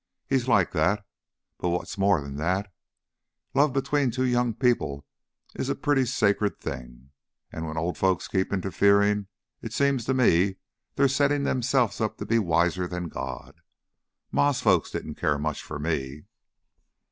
He's like that. But what's more 'n all that, love between two young people is a pretty sacred thing, an' when old folks keep interferin' it seems to me they're settin' themselves up to be wiser than God. Ma's folks didn't care much for me."